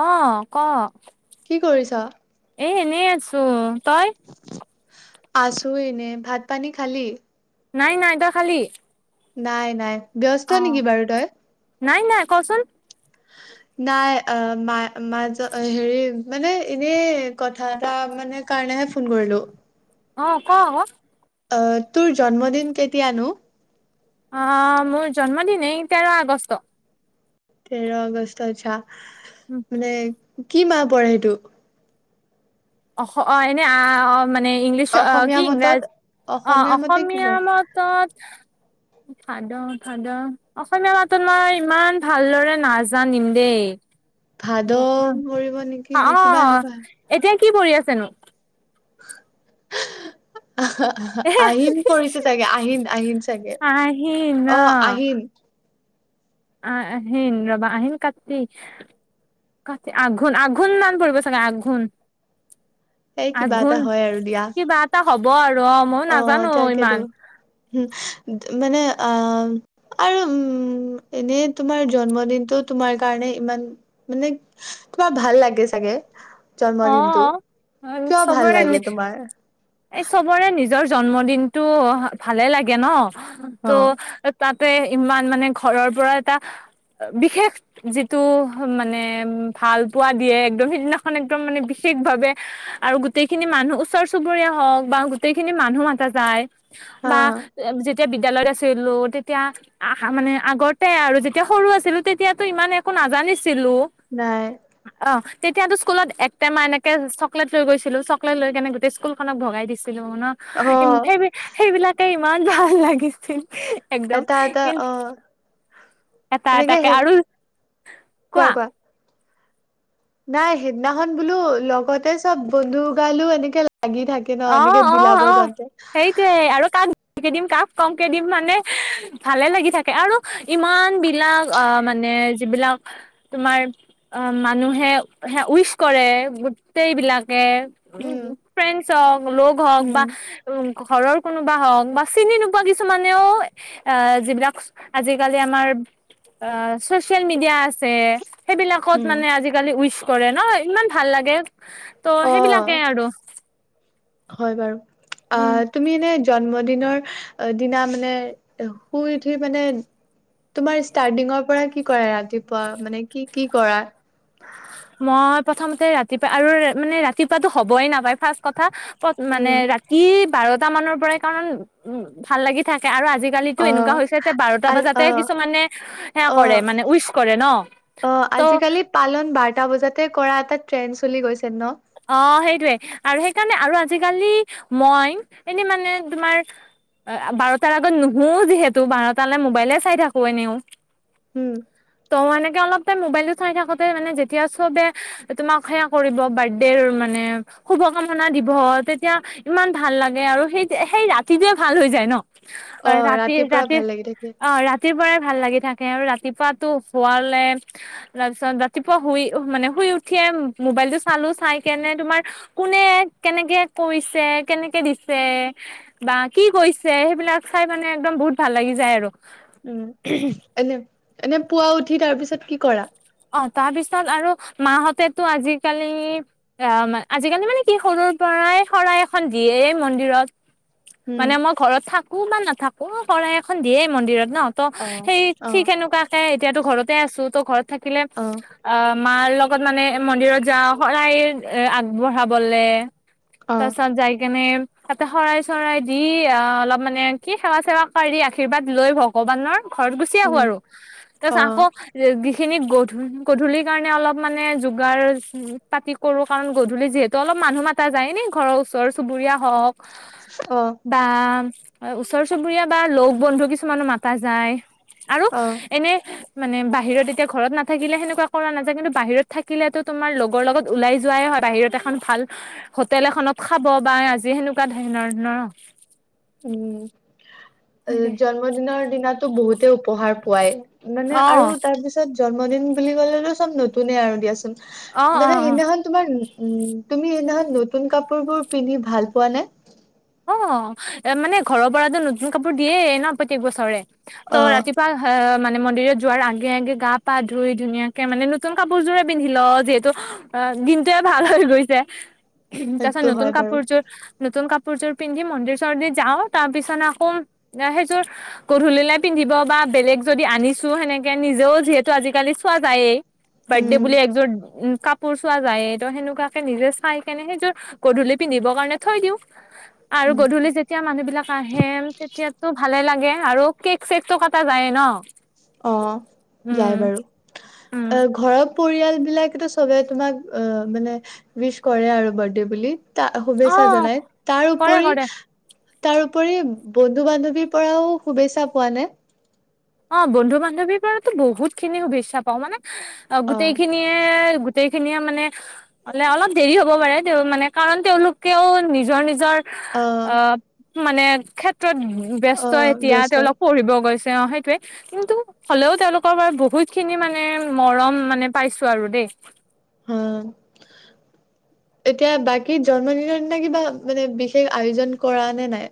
অঁ ক? কি কৰিছ। এ এনেই আছো তই। আছো এনে ভাত পানী খালি। নাই নাই তই খালী। নাই নাই। ব্যস্ত অ নেকি বাৰু তই? নাই নাই কচোন। নাই অ মা মাজত হেৰি মানে এনে কথা এটা মানে কাৰণেহে ফোন কৰিলো। অ কোৱা ক। তোৰ জন্মদিন কেতিয়ানো। অহ মোৰ জন্মদিন এই তেৰ আগষ্ট। তেৰ অগষ্ট আচ্ছা। উম, মানে। কি মাহ পৰে সেইটো। অ অ এনেই অ অ। মানে ইংলিছ অসমীয়া কি মতত ইংৰাজী অ মতে কি অসমীয়া পৰে? মাতত। ভাদ ভাদ অসমীয়া মাতত মই ইমান ভালদৰে নাজানিম দেই। ভাদ পৰিব নেকি নে অ কিবা এনেকুৱা। এতিয়া কি কৰি আছেনো। এ [unintelligible] আহিন পৰিছে চাগে আহিন আহিন চাগে আহিন অ আহিন। অহ আহিন ৰবা আহিন কাতি কাট আঘোণ আঘোণ মান পৰিব চাগে আঘোণ। এই কিবা আঘোণ এটা হয় আৰু দিয়া। কিবা এটা হব আৰু। ময়ো অ নাজানো তাকেইতো। ইমান মানে অ আৰু উ এনে তোমাৰ জন্ম দিনটো তোমাৰ কাৰণে ইমান মানে তোমাৰ ভাল লাগে চাগে। অ জন্মদিনতটো কিয় ভাল চবৰে লাগে তোমাৰ। এই চবৰে নিজৰ জন্মদিনতটো ভালে লাগে ন। অ তো তাত। ইমান মানে ঘৰৰ পৰা এটা বিশেষ যিটো মানে ভাল পোৱা দিয়ে একদম সিদিনাখন একদম মানে বিশেষ ভাৱে আৰু গোটেইখিনি মানুহ ওচৰ চুবুৰীয়া। হওক বা গোটেই খিনি মানুহ মাটা যায়। হা বা যে। যেতিয়া বিদ্য়ালয়ত আছিলো। তেতিয়া আহ মানে আগতে আৰু যেতিয়া সৰু আছিলো। তেতিয়াতো ইমান একো নাজানিছিল। ছিলো নাই অ। তেতিয়াতো স্কুল এক টেমা এনেকে চকলেট লৈ গৈছিলো চকলেট লৈ কেনে গোটেই স্কুল। খনক ভগাই দিছো। ন অ সেই সেইবিলাকেই। ইমান ভাল লাগিছিল। একদম এটা এটা কিন অ এটা এনেকে এটাকে হে আৰু কোৱা নাই সেইদিনাখন বোলো লগতে চব বন্ধু গালো এনেকে লাগি থাকে ন অ এনেকে বিলাব যাওতে কি দিম কাক কমকে দিম মানে ভালে লাগি থাকে আৰু ইমান বিলাক আহ মানে যিবিলাক তোমাৰ অ মানুহে উইচ কৰে গোটেই বিলাক উম কে--পেংক অং লোক হক উম বা ঘৰৰ কোনোবা হওক বা চিনি নোপোৱা কিছুমানেও যিবিলাক আজিকালি আমাৰ ছচিয়েল মিডিয়া আছে সেইবিলাকত উম মানে আজিকালি উইচ কৰে ন ইমান ভাল লাগে ত সেইবিলাকে অ আৰু হয় বাৰু অ উম তুমি এনে জন্ম দিনৰ দিনা মানে শুই উঠি মানে তোমাৰ ষ্টাডিঙৰ পৰা কি কৰা ৰাতিপুৱা মানে কি কি কৰা মই প্ৰথমতে ৰাতিপুৱা আৰু মানে ৰাতিপুৱাতো হ'বই নাপায় ফাৰ্ষ্ট কথা পত উম মানে ৰাতি বাৰটা মানৰ পৰাই কাৰণ উ ভাল লাগি থাকে আৰু আজি আজিকালিতো অ এনেকুৱা হৈছে যে বাৰটা আ অ বজাতে কিছুমানে সেয়া অ কৰে মানে উইচ কৰে ন অ ত' আজিকালি পালন বাৰটা বজাতে কৰা এটা ট্ৰেইন চলি গৈছে ন অ সেইটোৱে আৰু সেই সেইকাৰণে আৰু আজিকালি মই এনে মানে তোমাৰ বাৰটাৰ আগত নুশু যিহেতু বাৰটালৈ মোবাইলে চাই থাকো এনেও উম ত এনেকে অলপ মোবাইলটো চাই থাকোতে মানে যেতিয়া চবে তোমাক সেয়া কৰিব বাদ দেৰ মানে শুভ কামনা দিব তেতিয়া ইমান ভাল লাগে আৰু সেই সেই ৰাতিটোয়ে ভাল হৈ যায় ন অ ৰাতি ৰাতিপুৱা ৰাতি ভাল লাগি থাকে অ ৰাতিৰ পৰাই ভাল লাগি থাকে আৰু ৰাতিপুৱা তো শুৱালে তাৰপিছত ৰাতিপুৱা শুই মানে শুই উঠিয়ে মোবাইল টো চালো চাই কেনে তোমাৰ কোনে কেনেকে কৈছে কেনেকে দিছে বা কি কৈছে সেইবিলাক চাই মানে একদম বহুত ভাল লাগি যায় আৰু উম এনে এনে পুৱা উঠি তাৰ পিছত কি কৰা? অ তাৰপিছত আৰু মাহতেতো আজিকালি আহ আজিকালি মানে কি সৰুৰ পৰাই শৰাই এখন দিয়ে মন্দিৰত উম মানে মই ঘৰত থাকো বা নাথ থাকো শৰাই এখন দিয়ে মন্দিৰত নহ ত অ সেই অ ঠিক সেনেকুৱাকে এতিয়াতো ঘৰতে আছো তো ঘৰত থাকি কিলে অ আ মাৰ লগত মানে মন্দিৰত যাওঁ, শৰাই আগবঢ়াবলে। অ তাৰ পিছত যাই কেনে তাতে শৰাই-চৰাই দি অ' অলপ মানে কি, সেৱা-চেৱা কৰি আশীৰ্বাদ লৈ ভগৱানৰ ঘৰত গুচি আহোঁ উম আৰু। অ তাৰপাছত আকৌ খিনি গধূল- গধূলিৰ কাৰণে অলপ মানে যোগাৰ পাতি কৰোঁ, কাৰণ গধূলি যিহেতু অলপ মানুহ মাতা যায়। এনে ঘৰৰ ওচৰ-চুবুৰীয়া হওঁক, অ বা ওচৰ-চুবুৰীয়া বা লগ-বন্ধু কিছুমানো মাতা যায়। আৰু অ এনে মানে বাহিৰত এতিয়া ঘৰত নাথাকিলে সেনেকুৱা কৰা নাযায়। কিন্তু বাহিৰত থাকিলেতো তোমাৰ লগৰ লগত ওলাই যোৱাই হয়। বাহিৰত এখন ভাল হোটেল এখনত খাব বা আজি সেনেকুৱা ধৰণৰ ন'। উম। জন্মদিনৰ দিনাটো বহুত তো উপহাৰ পোৱাএ। মানে অ আৰু তাৰ পিছত জন্মদিন বুলি ক'লেতো চব নতুনে আৰু দিয়াচোন। অ অ মানে অ সেইদিনাখন তোমাৰ উম তুমি সেইদিনাখন নতুন কাপোৰবোৰ পিন্ধি ভাল পোৱা নে? অ'। এ মানে ঘৰৰ পৰাটো নতুন কাপোৰ দিয়েই ন', প্ৰত্যেক বছৰে। তো অ ৰাতিপুৱা হা- মানে মন্দিৰত যোৱাৰ আগে-আগে গা-পা ধুই, ধুনীয়াকে মানে নতুন কাপোৰযোৰে পিন্ধি লওঁ, যিহেতু অ' দিনটোয়ে ভাল হৈ গৈছে। তাৰপাছত সেইটো নতুন হয় বাৰু কাপোৰযোৰ নতুন কাপ কাপোৰযোৰ পিন্ধি মন্দিৰ-চণ্ডিৰ যাওঁ। তাৰ পিছত আকৌ সেইযোৰ গধূলিলে পিন্ধিব বা বেলেগ যদি আনিছোঁ, সেনেকে নিজেও যিহেতু আজিকালি চোৱা যায়েই। বাৰ্ডে উম বুলি একযোৰ উ কাপোৰ চোৱা যায়ে, তো সেনেকুৱাকে নিজে চাইকেনে সেইযোৰ গধূলি পিন্ধিবৰ কাৰণে থৈ দিওঁ। আৰু উম গধূলি যেতিয়া মানুহবিলাক আহে, তেতিয়াটো ভালে লাগে আৰু কেক-চেকটো কটা যায়েই ন'। অ'। যায় উম বাৰু। উম অ' ঘৰত পৰিয়ালবিলাকেতো সবে তোমাক অ' মানে উইশ কৰে আৰু বাৰ্ডে বুলি। তা- অ শুভেচ্ছা জনায়। তাৰ কৰে উপৰি কৰে তাৰোপৰি বন্ধু-বান্ধৱীৰ পৰাও শুভেচ্ছা পোৱা নে? অ' বন্ধু-বান্ধৱীৰ পৰাতো বহুতখিনি শুভেচ্ছা পাওঁ। মানে অ' গোটেইখিনিয়ে গোটেইখিনিয়ে মানে হ'লে অলপ দেৰি হ'ব পাৰে, তেওঁ মানে কাৰণ তেওঁলোকেও নিজৰ - নিজৰ অ'। মানে খেত ত ব্যস্ত অ' এতিয়া ব্যস্ত তেওঁলোক পঢ়িব গৈছে উম সেই টোৱে কিন্তু হ'লেও তেওঁলোকৰ পৰা বহুত খিনি মানে মৰম মানে পাইছো আৰু দেই। অ এতিয়া বাকী জন্মদিনৰ দিনা কিবা মানে বিশেষ আয়োজন কৰা নে নাই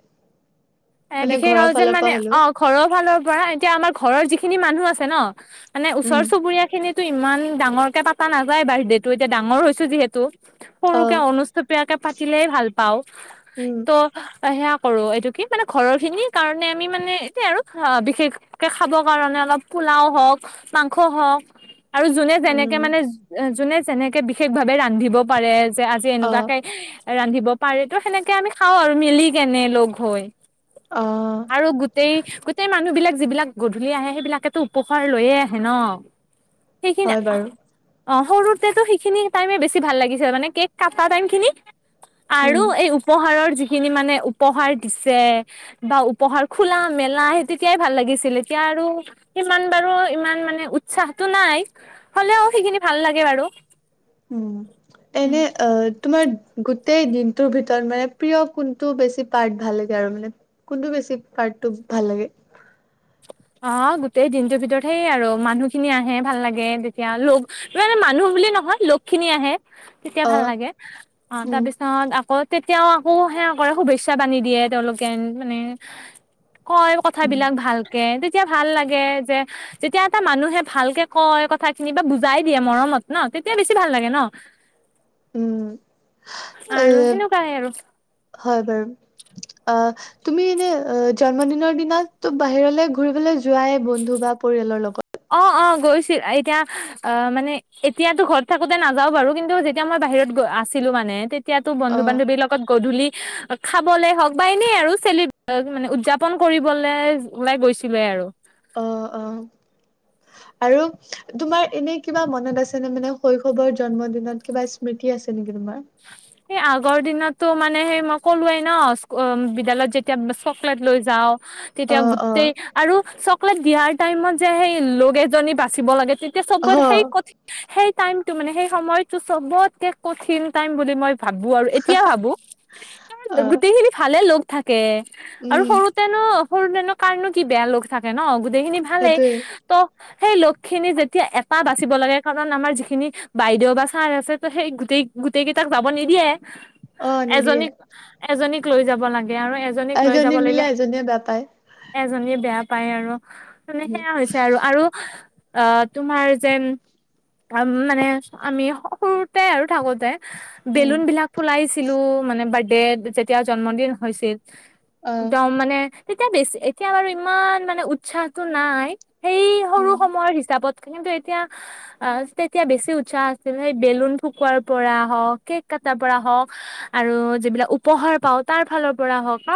এ মানে বিশেষ ঘৰৰ আৰু যেন ফালৰ পৰা মানে হ'লেও অ ঘৰৰ ফালৰ পৰা এতিয়া আমাৰ ঘৰৰ যি খিনি মানুহ আছে ন মানে ওচৰ উম, চুবুৰীয়া খিনিত টো ইমান ডাঙৰকে পাতা নাযায় বাৰ্থডেটো এতিয়া ডাঙৰ হৈছো যিহেতু সৰুকে অ' অনুস্থপীয়াকে পাতিলে ভাল পাওঁ। উম। ত' অ সেয়া কৰো এইটো কি মানে ঘৰৰ খিনি কাৰণে আমি মানে এতিাই আৰু বিশেষকে খাব কাৰণে অলপ পোলাও হওক মাংস হওক আৰু যোনে যেনেকে উম। মানে যোনে। যেনেকে বিশেষ ভাৱে ৰান্ধিব পাৰে। যে আজি অ', এনেকুৱাকে ৰান্ধিব পাৰে তো সেনেকে আমি খাওঁ আৰু মিলি কেনে লগ হৈ অ' আৰু গোটেই গোটেই মানুহ বিলাক যিবিলাক গধূলি আহে সেইবিলাকেতো উপহাৰ লৈয়ে আহে ন সেই খিনিয়ে হয় বাৰু অ সৰুতেতো সেইখিনি টাইমে বেছি ভাল লাগিছিল মানে কেক কটা টাইমখিনি আৰু উম, এই উপহাৰৰ যি সেই খিনি মানে উপহাৰ দিছে যে বা উপহাৰ খোলা মেলা সেই তেতিয়াই ভাল লাগিছিল এতিয়া আৰু সিমান বাৰু ইমান মানে উৎসাহটো নাই হ'লেও সেইখিনি ভাল লাগে বাৰু উম এনে অ তোমাৰ গোটেই দিনটোৰ ভিতৰত মানে প্ৰিয় কোনটো বেছি পাৰ্ট ভাল লাগে আৰু মানে কোনটো বেছি পাৰ্টটো ভাল লাগে। অ গোটেই দিনটোৰ ভিতৰত হেই আৰু মানুহখিনি আহে ভাল লাগে তেতিয়া লগে মানুহ বুলে নহয় লোক খিনি আহে তেতিয়া ভাল অ' লাগে অ উম, তাৰপিছত আকৌ তেতিয়াও আকৌ সেয়া কৰে শুভেচ্ছা বান্ধি দিয়ে তেওঁলোকে মানে কয় উম, কথাবিলাক ভাল কে তেতিয়া ভাল লাগে যে যেতিয়া এটা মানুহে ভালকে কয় কথা খিনি বা বুজাই দিয়ে মৰমত ন তেতিয়া বেছি ভাল লাগে ন উম এ আৰু সেনেকুৱাই আৰু হয় বাৰু আ তুমি এনে অ জন্মদিনৰ দিনা বাহিৰলৈ ঘুৰিবলৈ যোৱাই বন্ধু বা পৰিয়ালৰ লগত অ অ গৈছিল এতিয়া অ মানে এতিয়াতো ঘৰত থাকোতে নাযাও বাৰু কিন্তু যেতিয়া মই বাহিৰত গ আছিলো মানে তেতিয়া ত অ', বান্ধৱীৰ লগত গধূলি খাবলে হওক বা এনেই আৰু চেল মানে উদযাপন কৰিবলৈ ওলাই গৈছিলোৱে আৰু অ অ আৰু তোমাৰ এনেই কিবা মনত আছে নে মানে শৈশৱৰ জন্মদিনত কিবা স্মৃতি আছে নেকি তোমাৰ সেই আগৰ দিনততো মানে সেই মই ক'লোৱেই ন বিদ্যালয়ত যেতিয়া চকলেট লৈ যাওঁ তেতিয়া অ', গোটেই অ', আৰু চ লেট দিয়াৰ টাইমত যে সেই লগ এজনী বাচিব লাগে তে তেতিয়া চবৰ সেই অ', কঠি সেই টাইমটো মানে সেই সময়টো চবতকে কঠিন টাইম বুলি মই ভাবো আৰু এতিয়া ভাবো কাৰ অ', গোটেইখিনি ভালে লগ থাকে আৰু উম সৰুতেনো সৰুতেনো কাৰনো কি বেয়া লগ থাকে ন গোটেইখিনি ভালেই সেইটোৱে। ত সেই লোক খিনি যেতিয়া এটা বাচিব লাগে কাৰণ আমাৰ যিখিনি বাইদেউ বা ছাৰ আছে ত সেই গোটেই গোটেই কেইটাক যাব নিদিয়ে অ', নিদিয়ে এজনীক এজনীক লৈ যাব লাগে আৰু এজনীক লৈ যাব দিলে লাগিলে এজনীয়ে বেয়া পায়। এজনীয়ে বেয়া পায় আৰু মানে সেয়া হৈছে আৰু আৰু অ তোমাৰ যেন মানে আমি সৰুতে আৰু থাকো উম, বেলুন বিলাক ফুলাইছিলো মানে বাৰ্থ- দে যেতিয়া জন্মদিন হৈছিল অ', দম মানে তেতিয়া বেছি এতিয়া বাৰু ইমান মানে উৎসাহটো নাই সেই সৰু উম সময়ৰ হিচাপত কিন্তু এতিয়া আ তেতিয়া বেছি উৎসাহ আছিল সেই বেলুন ফুকুৱাৰ পৰা হওক কেক কটাৰ পৰা হওক আৰু যিবিলাক উপহাৰ পাও তাৰ ফালৰ পৰা হওক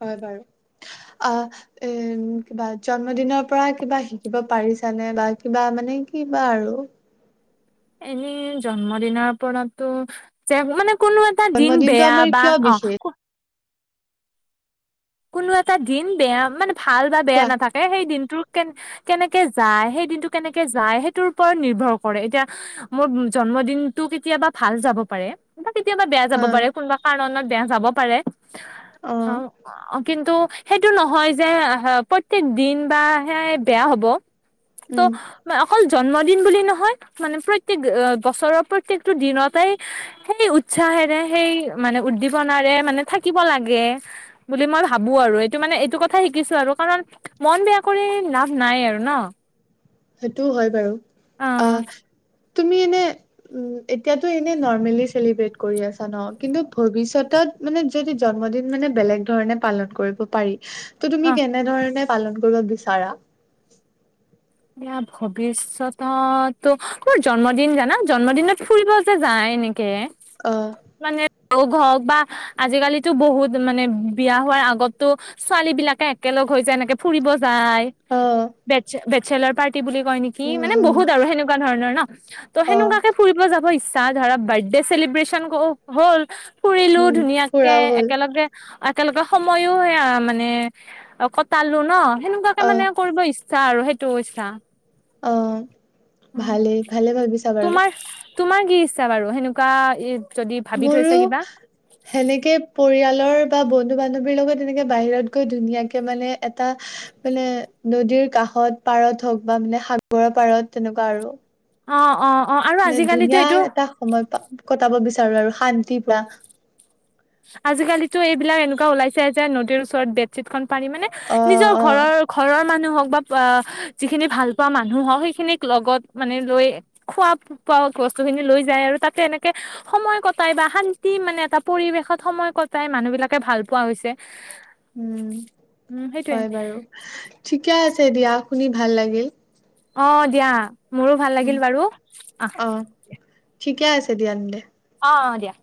হয় বাৰু অ এ কিবা জন্মদিনৰ পৰা কিবা শিকিব পাৰিছানে বা কিবা মানে কিবা আৰু এনেই জন্ম দিনাৰ পৰাতো যে মানে কোনো এটা দিন জন্মদিনটো বেয়া আমাৰ বা কিয় অ বিশেষ কোনো এটা দিন বেয়া মানে ভাল বা বেয়া কোৱা নাথাকে সেই দিনটোৰ কে কেনেকে যায় সেই দিনটো কেনেকে যায় সেইটোৰ ওপৰত নিৰ্ভৰ কৰে এতিয়া মোৰ জন্মদিনটো কেতিয়াবা ভাল যাব পাৰে কেতিয়াবা বেয়া যাব হা পাৰে কোনোবা কাৰণত বেয়া যাব পাৰে অ অ অ কিন্তু সেইটো নহয় যে, প্ৰত্যেক দিন বা সেয়াই বেয়া হব। ত' উম অকল জন্ম দিন বুলি নহয়। মানে প্ৰত্যেক বছৰৰ প্ৰত্যেকটো দিনতেই, সেই উৎসাহেৰে, সেই মানে উদ্দীপনাৰে মানে থাকিব লাগে। বুলি মই ভাবো আৰু। এইটো মানে এইটো কথা শিকিছো আৰু। কাৰণ মন বেয়া কৰি লাভ নাই আৰু ন! সেইটোও হয় বাৰু। অহ। আহ তুমি এনে, উম, এতিয়াতো এনে নৰ্মেলি চেলিব্ৰেট কৰি আছা ন! কিন্তু ভৱিষ্যতত মানে যদি জন্মদিন মানে বেলেগ ধৰণে পালন কৰিব পাৰি। ত অ তুমি কেনেধৰণে পালন কৰিব বিচাৰা? এয়া ভৱিষ্যতত, মোৰ জন্মদিন জানা? জন্মদিনত ফুৰিব যে যায় এনে কে অ মানে ত ঘৰক বা আজিকালি বহুত মানে বিয়া হোৱাৰ আগতো ছোৱালী বিলাকে একেলগ হৈ যায় এনেকে ফুৰিব যায়। অ বেচ্ছে বেচ্ছে চেলা পাই বুলি কয় নেকি? উম মানে উম বহুত আৰু সেনেকোৱা ধৰণৰ ন? ত' অ সেনেকোৱাকে ফুৰিব যাব ইচ্ছা ত ধৰা বাৰ্থডে চেলিব্ৰচন হ'ল। ফুৰিলো উম ধুনীয়াকে, ফুৰাও হ'ল একেলগে একেলগে সময়ো সেয়া মানে কটালো ন! সেনেকোৱাকে অ মানে কৰিব ইচ্ চা আৰু সেই দোছা অহ। ভালেই ভালে ভাবিছা বাৰু। তোমাৰ তোমাৰ কি ইচ্ছা বাৰু? সেনেকোৱা মোৰো সেনেকে পৰিয়ালৰ বা বন্ধু বান্ধৱীৰ লগত এনেকে বাহিৰত গৈ ধুনীয়াকে মানে এটা মানে নদীৰ কাষত- পাৰত হওক বা মানে সাগৰৰ পাৰত, তেনেকোৱা আৰু। অ অ। আৰু নে আজিকালিতো ধুনীয়া এইটো এটা সময় কটাব বিচাৰ আৰু শান্তিৰ পোৰা আজিকালিতো এইবিলাক এনেকোৱা ওলাইছে যে নদীৰ ওচৰত বেডশ্বীট খন পাৰি মানে অ নিজৰ অ ঘৰৰ ঘৰৰ মানুহ হওক বা যিখিনি ভাল পোৱা মানুহ হওক। সেইখিনিক লগত মানে লৈ খোৱা-খোৱা বস্তু খিনি লৈ যায় আৰু তাতে এনেকে সময় কটাই বা শান্তি মানে এটা পৰিৱেশত সময় কটাই মানুহ বিলাকে ভাল পোৱা হৈছে। উম, উম সেইটোয়ে হয় বাৰু। ঠিকে আছে দিয়া শুনি ভাল লাগিল। অ দিয়া। মোৰো ভাল উম লাগিল বাৰু অঁ। অ ঠিকে আছে দিয়া তেন্তে। অ অ দিয়া।